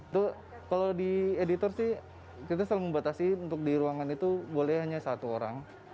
tuh kalau di editor sih kita selalu membatasi untuk di ruangan itu boleh hanya satu orang